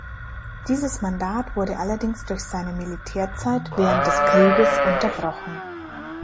Dieses Mandat wurde allerdings durch seine Militärzeit während des Krieges unterbrochen.